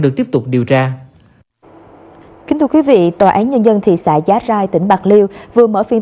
diễn ra được điều tra kính thưa quý vị tòa án nhân dân thị xã giá rai tỉnh bạc liêu vừa mở phiên